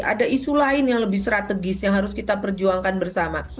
ada isu lain yang lebih strategis yang harus kita perjuangkan bersama